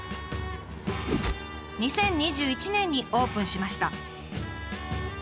２０２１年にオープンしました。